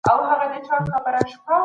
دوی ته نړۍ په مینه وروپیژنئ.